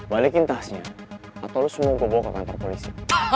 balikin tasnya atau lo semua ke kantor polisi